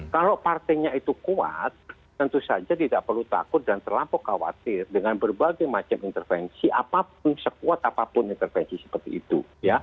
kalau partainya itu kuat tentu saja tidak perlu takut dan terlampau khawatir dengan berbagai macam intervensi apapun sekuat apapun intervensi seperti itu